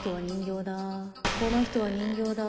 この人は人形だ